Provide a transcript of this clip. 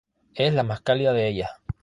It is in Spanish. Es la más cálida de ellas.